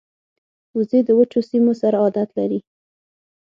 وزې د وچو سیمو سره عادت لري